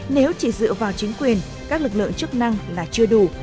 nếu chỉ dựa vào chính quyền các lực lượng chức năng là chưa đủ